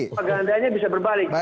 propagandanya bisa berbalik